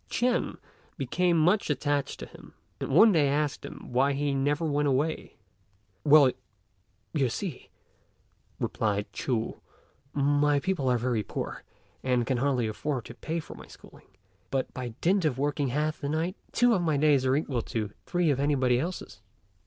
Ch'ên became much attached to him, and one day asked him why he never went away. "Well, you see," replied Ch'u, "my people are very poor, and can hardly afford to pay for my schooling; but, by dint of working half the night, two of my days are equal to three of anybody else's."